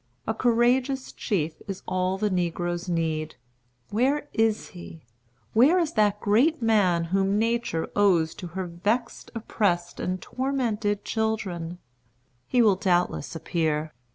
A courageous chief is all the negroes need. Where is he? Where is that great man whom Nature owes to her vexed, oppressed, and tormented children? He will doubtless appear.